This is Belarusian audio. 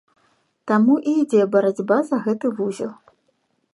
Таму і ідзе барацьба за гэты вузел.